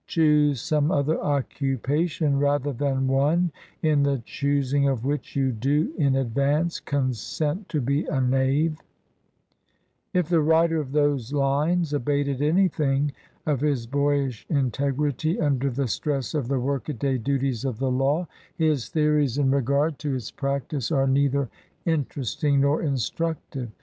Choose some other occupation rather than one in the choosing of which you do, in ad vance, consent to be a knave/' If the writer of those lines abated anything of his boyish integrity under the stress of the workaday duties of the law, his theories in regard 33 LINCOLN THE LAWYER to its practice are neither interesting nor instruc tive.